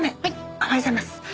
おはようございます。